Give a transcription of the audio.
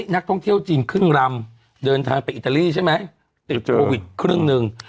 นักท่องเที่ยวจีนครึ่งลำเดินทางไปอิตาลีใช่ไหมติดโควิดครึ่งหนึ่ง